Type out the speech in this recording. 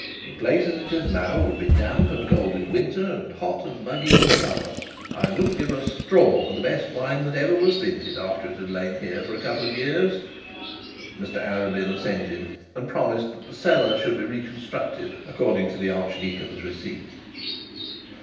This place as it is now would be damp and cold in winter, and hot and muggy in summer. I wouldn't give a straw for the best wine that ever was minted, after it had lain here a couple of years.' Mr Arabin assented, and promised that the cellar should be reconstructed according to the archdeacon's receipt.